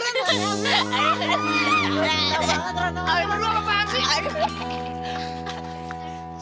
kata kata lu apaan sih